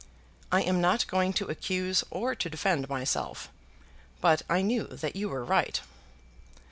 I am not going to accuse or to defend myself; but I knew that you were right."